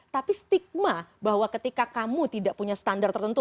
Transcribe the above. tapi stigma bahwa ketika kamu tidak punya standar tertentu